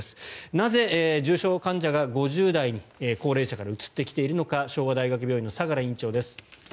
なぜ、重症患者が５０代に高齢者から移ってきているのか昭和大学病院の相良院長です。